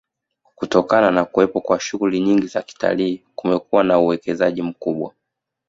Kutokana na kuwepo kwa shughuli nyingi za kitalii kumekuwa na uwekezaji mkubwa